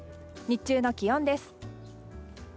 日中の気温です。